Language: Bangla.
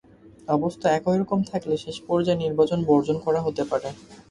অবস্থা একই রকম থাকলে শেষ পর্যায়ে নির্বাচন বর্জন করা হতে পারে।